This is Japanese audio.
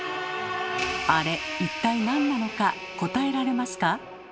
あれ一体何なのか答えられますか？